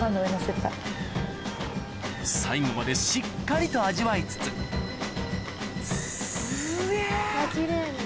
最後までしっかりと味わいつつすげぇ！